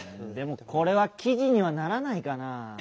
でもこれはきじにはならないかなぁ。